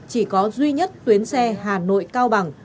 chỉ có duy nhất tuyến xe hà nội cao bằng